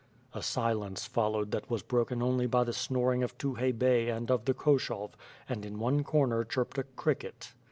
A silence followed that was broken only by the snoring of Tukhay Bey and of the Koshov, and in one corner chirped a cricket.